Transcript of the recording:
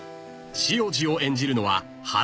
［汐路を演じるのは］